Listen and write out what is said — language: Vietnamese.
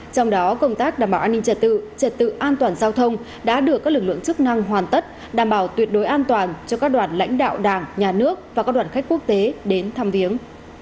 trong đó công tác đảm bảo an ninh trật tự trật tự an toàn giao thông đã được các lực lượng chức năng hoàn tất đảm bảo tuyệt đối an toàn cho các đoàn lãnh đạo đảng nhà nước và các đoàn khách quốc tế đến thăm viếng